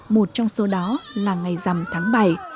một trong số đó là ngày rằm tháng bảy